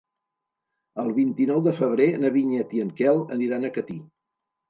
El vint-i-nou de febrer na Vinyet i en Quel aniran a Catí.